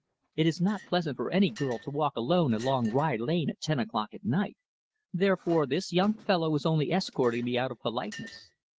It is not pleasant for any girl to walk alone along Rye Lane at ten o'clock at night, therefore this young fellow was only escorting me out of politeness.